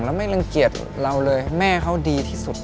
แล้วไม่รังเกียจเราเลยแม่เขาดีที่สุด